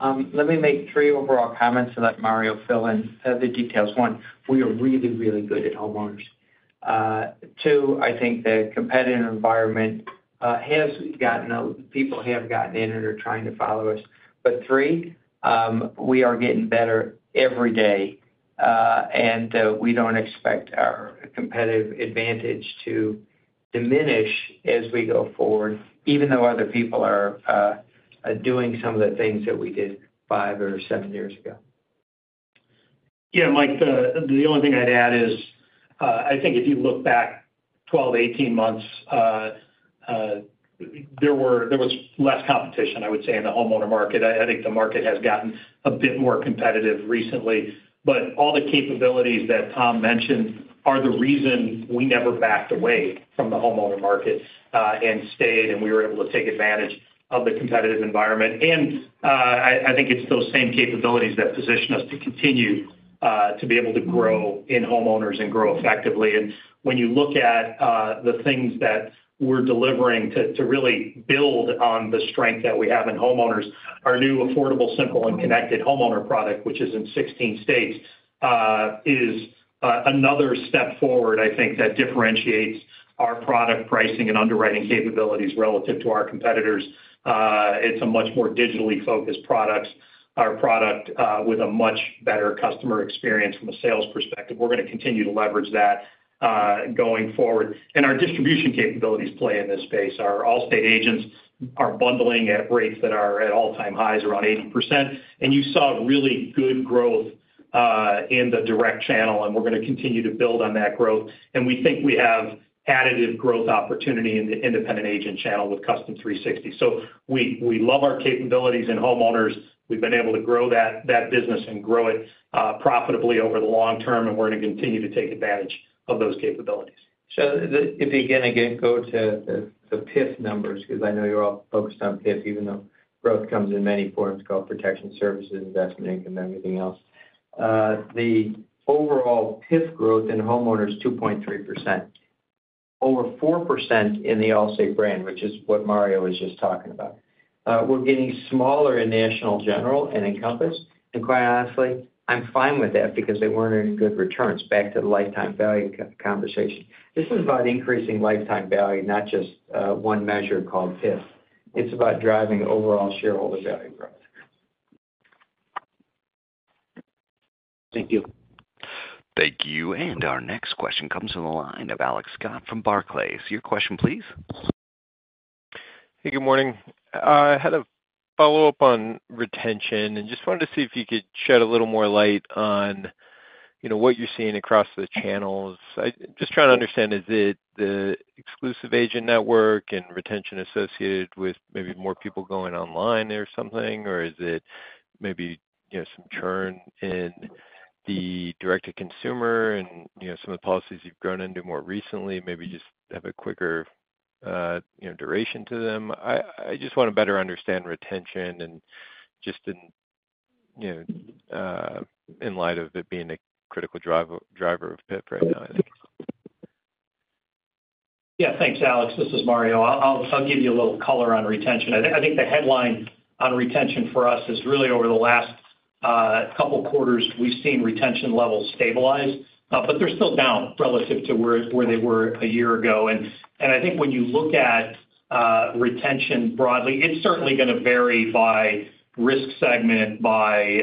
Let me make three overall comments to let Mario fill in the details. One, we are really, really good at homeowners. Two, I think the competitive environment has gotten, people have gotten in and are trying to follow us. Three, we are getting better every day. We don't expect our competitive advantage to diminish as we go forward, even though other people are doing some of the things that we did five or seven years ago. Yeah, Mike, the only thing I'd add is I think if you look back 12, 18 months, there was less competition, I would say, in the homeowner market. I think the market has gotten a bit more competitive recently. All the capabilities that Tom mentioned are the reason we never backed away from the homeowner market and stayed, and we were able to take advantage of the competitive environment. I think it's those same capabilities that position us to continue to be able to grow in homeowners and grow effectively. When you look at the things that we're delivering to really build on the strength that we have in homeowners, our new Affordable Simple and Connected homeowner product, which is in 16 states, is another step forward, I think, that differentiates our product pricing and underwriting capabilities relative to our competitors. It's a much more digitally focused product, our product with a much better customer experience from a sales perspective. We're going to continue to leverage that going forward, and our distribution capabilities play in this space. Our Allstate agents are bundling at rates that are at all-time highs, around 80%. You saw really good growth in the direct channel, and we're going to continue to build on that growth. We think we have additive growth opportunity in the independent agent channel with Custom 360. We love our capabilities in homeowners. We've been able to grow that business and grow it profitably over the long term, and we're going to continue to take advantage of those capabilities. If you can again go to the PIF numbers, because I know you're all focused on PIF, even though growth comes in many forms, growth protection services, investment income, everything else. The overall PIF growth in homeowners is 2.3%. Over 4% in the Allstate brand, which is what Mario was just talking about. We're getting smaller in National General and Encompass, and quite honestly, I'm fine with that because they weren't any good returns. Back to the lifetime value conversation, this is about increasing lifetime value, not just one measure called PIF. It's about driving overall shareholder value growth. Thank you. Thank you. Our next question comes from the line of Alex Scott from Barclays. Your question, please. Hey, good morning. I had a follow-up on retention and just wanted to see if you could shed a little more light on what you're seeing across the channels. Just trying to understand, is it the exclusive agent network and retention associated with maybe more people going online or something? Is it maybe some churn in the direct-to-consumer and some of the policies you've grown into more recently? Maybe just have a quicker duration to them. I just want to better understand retention in light of it being a critical driver of PIF right now, I think. Yeah, thanks, Alex. This is Mario. I'll give you a little color on retention. I think the headline on retention for us is really over the last couple of quarters, we've seen retention levels stabilize, but they're still down relative to where they were a year ago. I think when you look at retention broadly, it's certainly going to vary by risk segment, by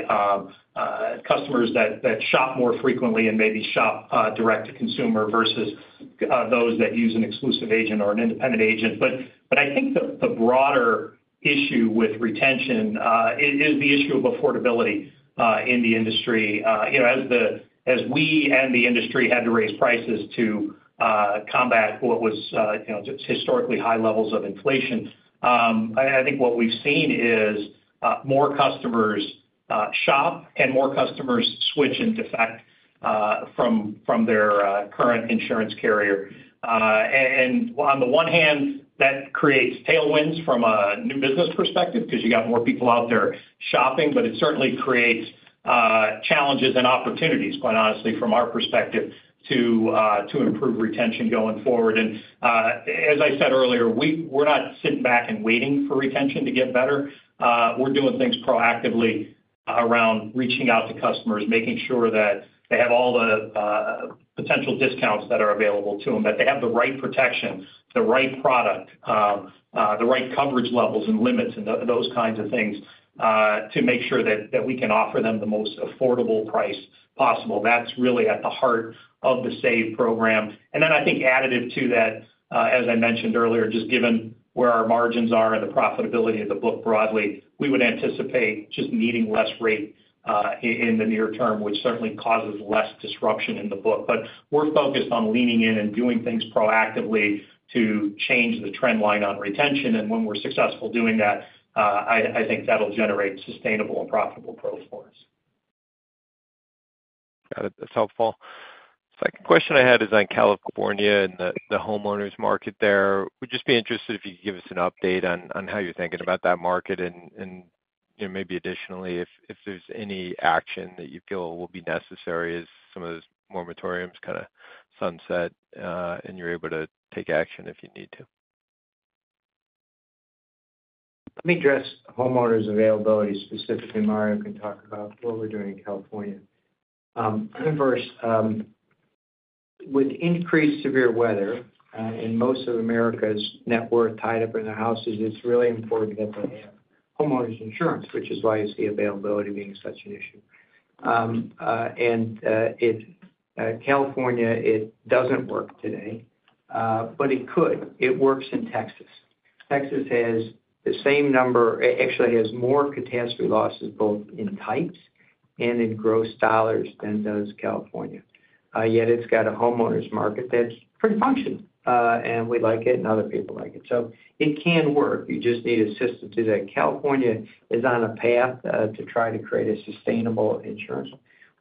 customers that shop more frequently and maybe shop direct-to-consumer versus those that use an exclusive agent or an independent agent. I think the broader issue with retention is the issue of affordability in the industry. As we and the industry had to raise prices to combat what was historically high levels of inflation, I think what we've seen is more customers shop and more customers switch and defect from their current insurance carrier. On the one hand, that creates tailwinds from a new business perspective because you got more people out there shopping, but it certainly creates challenges and opportunities, quite honestly, from our perspective to improve retention going forward. As I said earlier, we're not sitting back and waiting for retention to get better. We're doing things proactively around reaching out to customers, making sure that they have all the potential discounts that are available to them, that they have the right protection, the right product, the right coverage levels and limits, and those kinds of things to make sure that we can offer them the most affordable price possible. That's really at the heart of the SAVE retention program. I think additive to that, as I mentioned earlier, just given where our margins are and the profitability of the book broadly, we would anticipate just needing less rate in the near term, which certainly causes less disruption in the book. We're focused on leaning in and doing things proactively to change the trend line on retention. When we're successful doing that, I think that'll generate sustainable and profitable growth for us. Got it. That's helpful. The second question I had is on California and the homeowners market there. We'd just be interested if you could give us an update on how you're thinking about that market and maybe additionally if there's any action that you feel will be necessary as some of those moratoriums kind of sunset and you're able to take action if you need to. Let me address homeowners' availability specifically. Mario can talk about what we're doing in California. With increased severe weather and most of America's net worth tied up in their houses, it's really important that they have homeowners insurance, which is why you see availability being such an issue. In California, it doesn't work today. It could. It works in Texas. Texas has the same number, actually has more catastrophe losses both in types and in gross dollars than does California. Yet it's got a homeowners market that's pretty functional. We like it and other people like it. It can work. You just need assistance. California is on a path to try to create a sustainable insurance.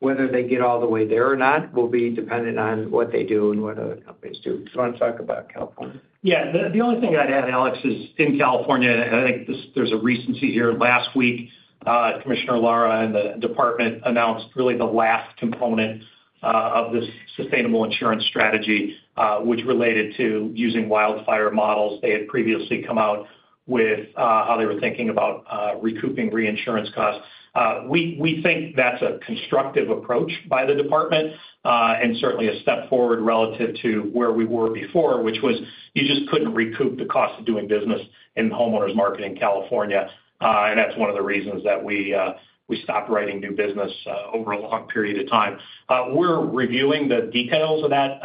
Whether they get all the way there or not will be dependent on what they do and what other companies do. Do you want to talk about California? Yeah. The only thing I'd add, Alex, is in California, I think there's a recency here. Last week, Commissioner Lara and the department announced really the last component of this sustainable insurance strategy, which related to using wildfire models. They had previously come out with how they were thinking about recouping reinsurance costs. We think that's a constructive approach by the department, certainly a step forward relative to where we were before, which was you just couldn't recoup the cost of doing business in the homeowners market in California. That's one of the reasons that we stopped writing new business over a long period of time. We're reviewing the details of that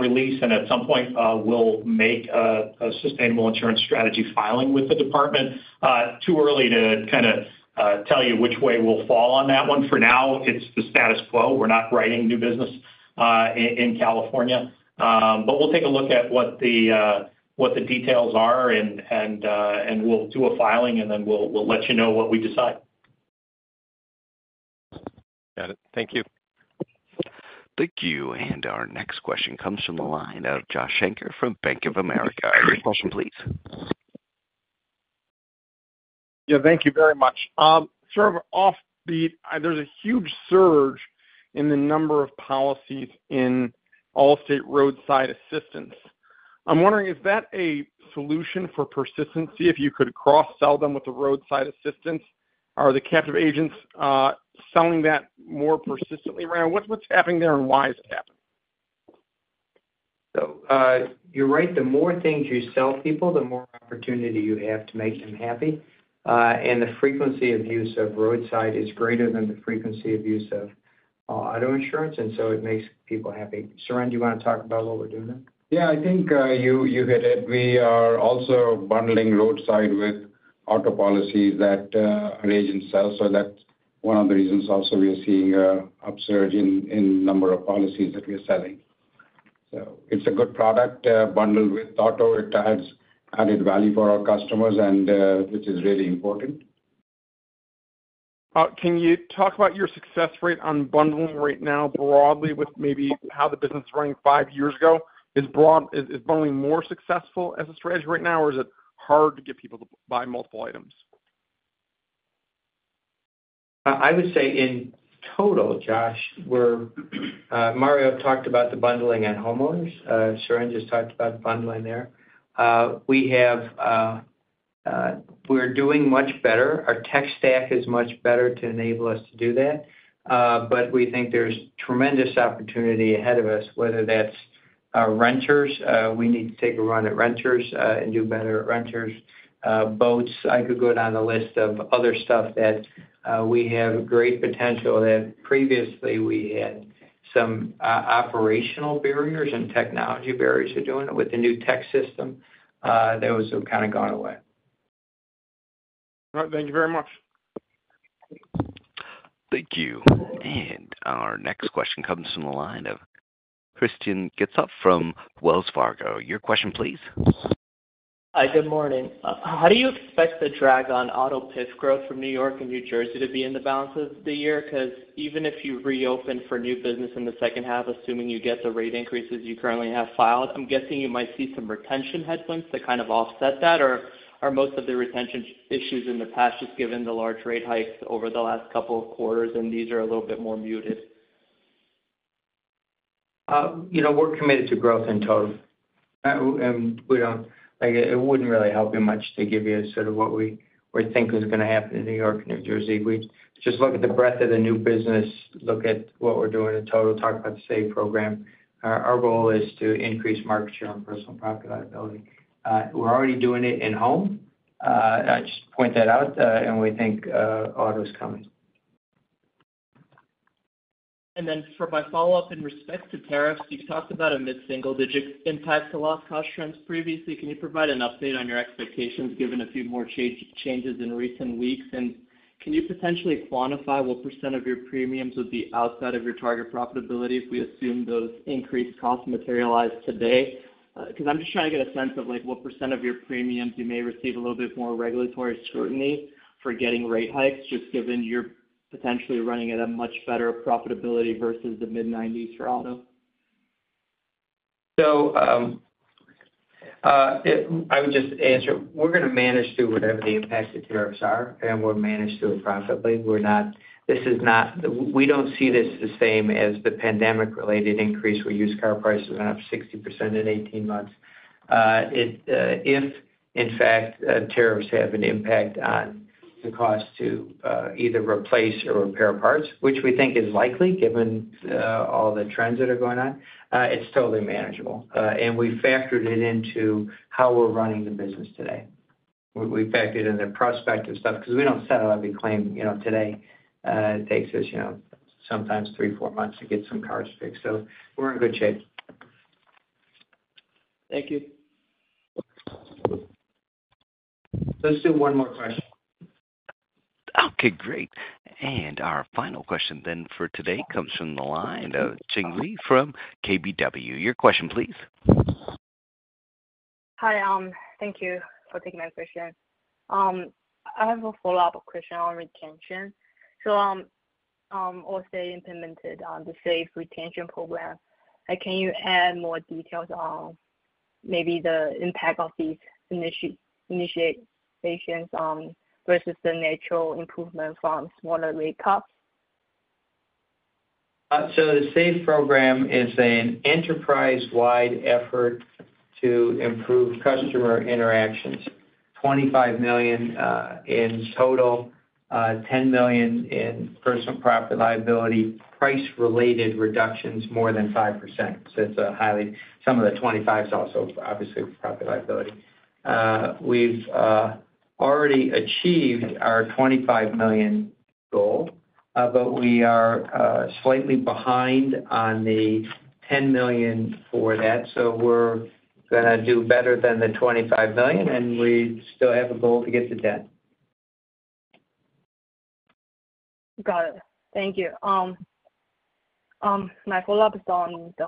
release, and at some point, we'll make a sustainable insurance strategy filing with the department. It's too early to kind of tell you which way we'll fall on that one. For now, it's the status quo. We're not writing new business in California, but we'll take a look at what the details are, and we'll do a filing, and then we'll let you know what we decide. Got it. Thank you. Thank you. Our next question comes from the line of Josh Shanker from Bank of America. Your question, please. Yeah, thank you very much. Sort of offbeat, there's a huge surge in the number of policies in Allstate roadside assistance. I'm wondering, is that a solution for persistency if you could cross-sell them with the roadside assistance? Are the captive agents selling that more persistently right now? What's happening there, and why is it happening? You're right. The more things you sell people, the more opportunity you have to make them happy. The frequency of use of roadside is greater than the frequency of use of auto insurance, and it makes people happy. Suren, you want to talk about what we're doing there? Yeah, I think you hit it. We are also bundling roadside with auto policies that our agents sell. That's one of the reasons we are seeing an upsurge in the number of policies that we are selling. It's a good product bundled with auto. It adds added value for our customers, which is really important. Can you talk about your success rate on bundling right now broadly with maybe how the business is running five years ago? Is bundling more successful as a strategy right now, or is it hard to get people to buy multiple items? I would say in total, Josh, Mario talked about the bundling at homeowners. Suren just talked about bundling there. We're doing much better. Our tech stack is much better to enable us to do that. We think there's tremendous opportunity ahead of us, whether that's renters. We need to take a run at renters and do better at renters. Boats, I could go down the list of other stuff that we have great potential that previously we had some operational barriers and technology barriers to doing it. With the new tech system, those have kind of gone away. All right, thank you very much. Thank you. Our next question comes from the line of Hristian Getsov from Wells Fargo Securities. Your question, please. Hi, good morning. How do you expect the drag on auto PIF growth from New York and New Jersey to be in the balance of the year? Because even if you reopen for new business in the second half, assuming you get the rate increases you currently have filed, I'm guessing you might see some retention headwinds to kind of offset that. Are most of the retention issues in the past just given the large rate hikes over the last couple of quarters, and these are a little bit more muted? We're committed to growth in total. It wouldn't really help you much to give you sort of what we think is going to happen in New York and New Jersey. Just look at the breadth of the new business, look at what we're doing in total, talk about the SAVE retention program. Our goal is to increase market share in personal property-liability. We're already doing it in home. I just point that out. We think auto is coming. For my follow-up in respect to tariffs, you've talked about a mid-single digit impact to loss cost trends previously. Can you provide an update on your expectations given a few more changes in recent weeks? Can you potentially quantify what % of your premiums would be outside of your target profitability if we assume those increased costs materialize today? I'm just trying to get a sense of what % of your premiums you may receive a little bit more regulatory scrutiny for getting rate hikes, just given you're potentially running at a much better profitability versus the mid-90s for auto? We are going to manage through whatever the impacted tariffs are, and we'll manage through it profitably. This is not the same as the pandemic-related increase where used car prices went up 60% in 18 months. If, in fact, tariffs have an impact on the cost to either replace or repair parts, which we think is likely given all the trends that are going on, it's totally manageable. We factored it into how we're running the business today. We factored in the prospect of stuff because we don't settle every claim today. It takes us sometimes three, four months to get some cars fixed. We're in good shape. Thank you. Let's do one more question. Okay, great. Our final question for today comes from the line of Jing Li from KBW. Your question, please. Hi. Thank you for taking my question. I have a follow-up question on retention. Allstate implemented the SAVE retention program. Can you add more details on maybe the impact of these initiations versus the natural improvement from smaller rate cuts? The SAVE retention program is an enterprise-wide effort to improve customer interactions, $25 million. In total, $10 million in personal property-liability, price-related reductions more than 5%. It's a highly some of the $25 million is also obviously property-liability. We've already achieved our $25 million goal, but we are slightly behind on the $10 million for that. We're going to do better than the $25 million, and we still have a goal to get to $10 million. Got it. Thank you. My follow-up is on the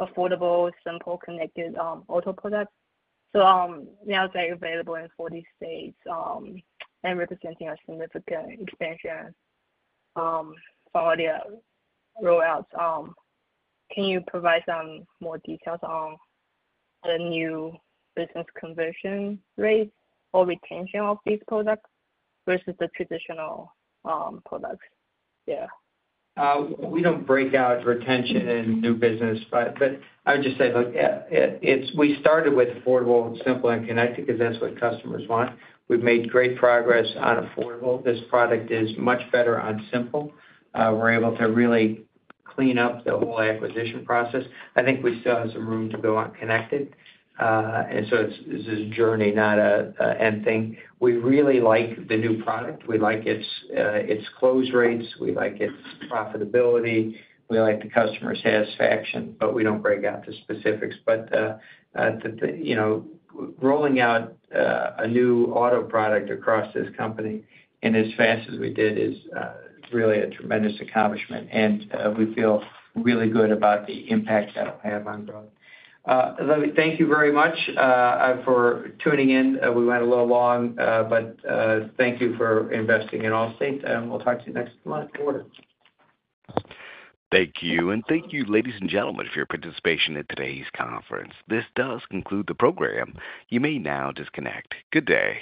affordable, simple, connected auto products. It's now available in 40 states and representing a significant expansion for all the rollouts. Can you provide some more details on the new business conversion rates or retention of these products versus the traditional products? Yeah. We don't break out retention and new business, but I would just say we started with affordable, simple, and connected because that's what customers want. We've made great progress on affordable. This product is much better on simple. We're able to really clean up the whole acquisition process. I think we still have some room to go on connected. This is a journey, not an end thing. We really like the new product. We like its close rates. We like its profitability. We like the customer satisfaction, but we don't break out the specifics. But a new auto product across this company in as fast as we did is really a tremendous accomplishment, and we feel really good about the impact that it'll have on growth. Lovely, thank you very much for tuning in. We went a little long, but thank you for investing in Allstate, and we'll talk to you next month. Thank you, and thank you, ladies and gentlemen, for your participation in today's conference. This does conclude the program. You may now disconnect. Good day.